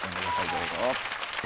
どうぞ。